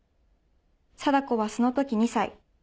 「禎子はその時２歳」。